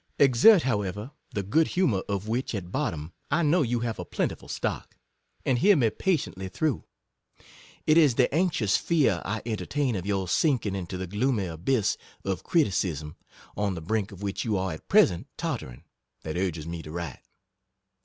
Exert, however, the good humour of which, at bot tom, I know you to have a plentiful stock, and hear me patiently through. It is the anx ious fear I entertain of your sinking into the gloomy abyss of criticism, on the brink of which you are at present tottering, that urges me to write.